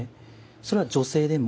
それは女性でも？